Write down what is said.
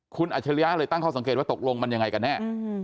คุณอัจฉริยะเลยตั้งข้อสังเกตว่าตกลงมันยังไงกันแน่